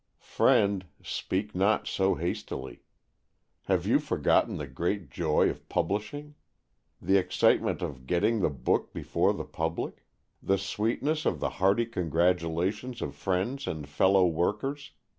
Friend, speak not so hastily. Have you forgotten the great joy of publishing? the excitement of getting the book before the public? the sweetness of the hearty congratulations of friends and fellow workers?